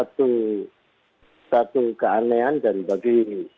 menurut saya ini satu keanehan dan bagi